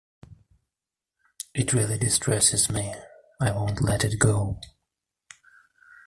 It really distresses me; I won't let it go.